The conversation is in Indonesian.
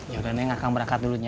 yaudah nek aku akan berangkat dulu nek